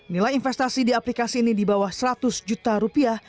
nilai investasi di aplikasi ini di bawah seratus juta rupiah